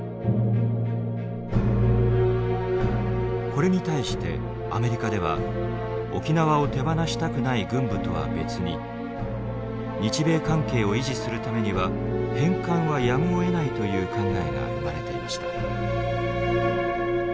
これに対してアメリカでは沖縄を手放したくない軍部とは別に日米関係を維持するためには返還はやむをえないという考えが生まれていました。